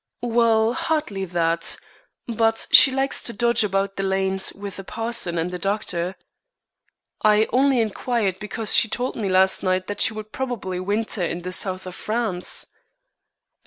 "Well, hardly that. But she likes to dodge about the lanes with the parson and the doctor." "I only inquired because she told me last night that she would probably winter in the South of France."